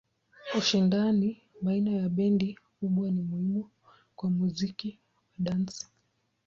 Ushindani baina ya bendi kubwa ni muhimu kwa muziki wa dansi.